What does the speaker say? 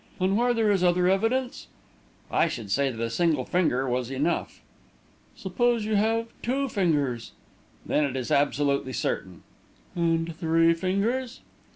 "And where there is other evidence?" "I should say that a single finger was enough." "Suppose you have two fingers?" "Then it is absolutely certain." "And three fingers?"